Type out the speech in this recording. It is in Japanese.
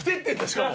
しかも。